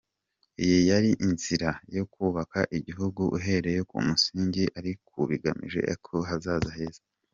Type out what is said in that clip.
Iyi yari inzira yo kubaka igihugu uhereye ku musingi ariko bigamije ejo hazaza heza.